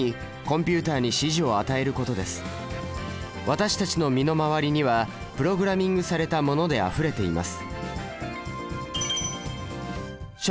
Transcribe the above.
私たちの身の回りにはプログラミングされたものであふれています。